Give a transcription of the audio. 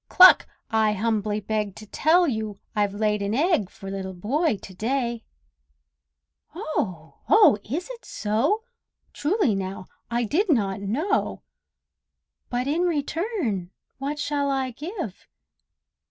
cluck! I humbly beg To tell you all I've laid an egg For Little Boy to day!" Oh! oh! is it so? Truly now, I did not know! But in return what shall I give?